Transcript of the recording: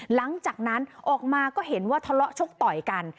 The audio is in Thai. หลังจากนั้นออกมาก็เห็นว่าทะเลาะชกต่อยกัน